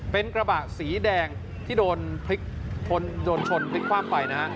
เป็นกระบะสีแดงที่โดนชนพลิกความไป